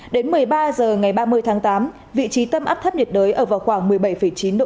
đến một mươi ba h ngày ba mươi tháng tám vị trí tâm áp thấp nhiệt đới ở vào khoảng một mươi bảy chín độ